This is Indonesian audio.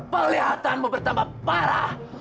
pelihatanmu bertambah parah